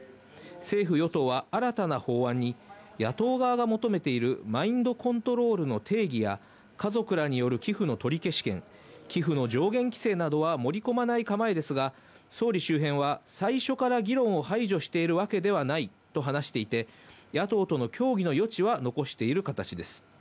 政府・与党は新たな法案に野党側が求めているマインドコントロールの定義や、家族らによる寄付の取消権、寄付の上限規制などは盛り込まない構えですが、総理周辺は最初から議論を排除しているわけではないと話していて、野党との協議の余地は残している形です。